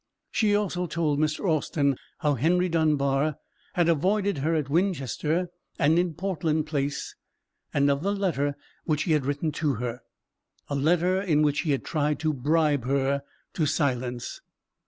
She also told Mr. Austin how Henry Dunbar had avoided her at Winchester and in Portland Place, and of the letter which he had written to her,—a letter in which he had tried to bribe her to silence.